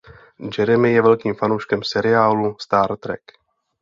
Jeremy je velkým fanouškem seriálu Star Trek.